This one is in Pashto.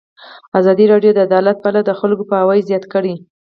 ازادي راډیو د عدالت په اړه د خلکو پوهاوی زیات کړی.